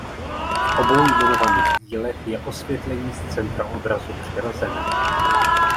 V obou jmenovaných dílech je osvětlení z centra obrazu přirozené.